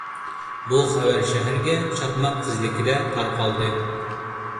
بۇ خەۋەر شەھەرگە چاقماق تېزلىكىدە تارقالدى.